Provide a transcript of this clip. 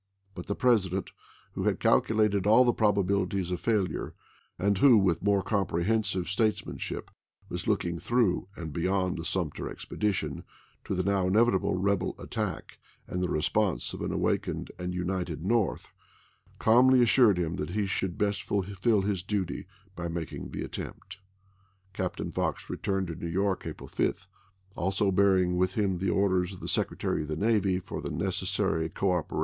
But the President, who had calculated all the probabilities of failure, and who with more comprehensive statesmanship was look ing through and beyond the Sumter expedition to the now inevitable rebel attack and the response of an awakened and united North, calmly assiu*ed Fox, Re liini that he should best fulfill his duty by making ^2?i865. ■ the attempt. Captain Fox returned to New York April 5, also bearing with him the orders of the Secretary of the Navy for the necessary coopera 1861.